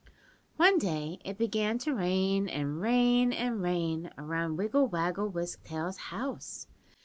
"One day it began to rain and rain and rain around Wiggle Waggle Wisk Tail's house.